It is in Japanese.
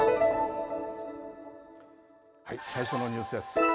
最初のニュースです。